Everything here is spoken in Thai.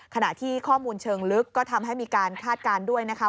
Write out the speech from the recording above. ขณะที่ข้อมูลเชิงลึกก็ทำให้มีการคาดการณ์ด้วยนะคะ